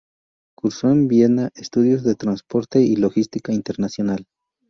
Cursó en Viena estudios de transporte y logística internacional.